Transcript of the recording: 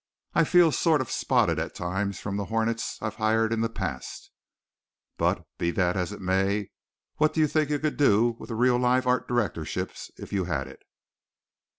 I feel sort of spotted at times from the hornets I've hired in the past. But, be that as it may, what do you think you could do with a real live art directorship if you had it?"